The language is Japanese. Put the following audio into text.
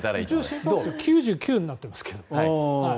心拍数９９になってますけど。